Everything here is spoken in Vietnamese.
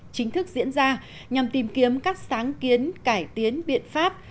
chính thức diễn ra nhằm tìm kiếm các sáng kiến cải tiến biện pháp